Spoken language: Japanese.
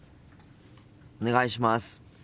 お願いします。